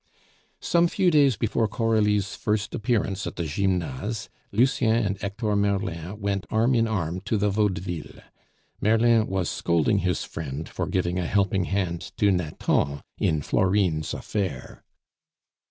Some few days before Coralie's first appearance at the Gymnase, Lucien and Hector Merlin went arm in arm to the Vaudeville. Merlin was scolding his friend for giving a helping hand to Nathan in Florine's affair.